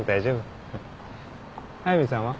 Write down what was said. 速見さんは？